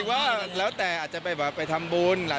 ครูแม่ของช่าพาไปแก้ส่งครับ